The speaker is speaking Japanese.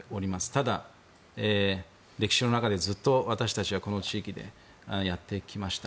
ただ、歴史の中でずっと私たちはこの地域でやってきました。